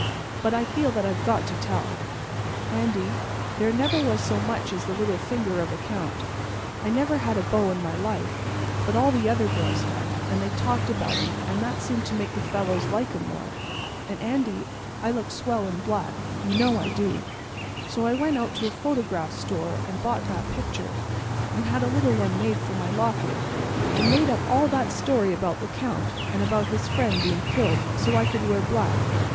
But I feel that I've got to tell. Andy, there never was so much as the little finger of a count. I never had a beau in my life. But all the other girls had; and they talked about 'em; and that seemed to make the fellows like 'em more. And, Andy, I look swell in black—you know I do. So I went out to a photograph store and bought that picture, and had a little one made for my locket, and made up all that story about the Count, and about his being killed, so I could wear black.